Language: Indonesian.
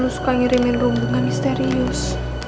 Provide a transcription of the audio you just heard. suka ngirimin rumbungan misterius